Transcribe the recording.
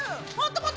もっと！